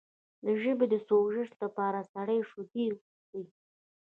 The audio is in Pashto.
د ژبې د سوزش لپاره سړې شیدې وڅښئ